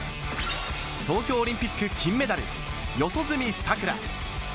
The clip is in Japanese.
東京オリンピック金メダル・四十住さくら。